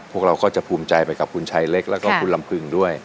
พวกเราก็จะภูมิใจไปกับคุณชายเล็กแล้วก็คุณลำพึงด้วย